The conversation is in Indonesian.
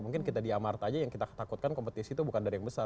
mungkin kita diamart aja yang kita takutkan kompetisi tuh bukan dari yang besar